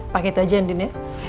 paket aja andin ya